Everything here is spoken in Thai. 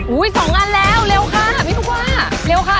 หูย๒อันเร็วเร็วค่ะไม่ว่า